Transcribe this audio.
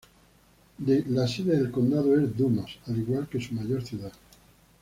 La sede del condado es Dumas, al igual que su mayor ciudad.